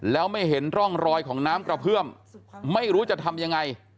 แล้วไม่เห็นร่องรอยของน้ำกระเพื่อมไม่รู้จะทำยังไง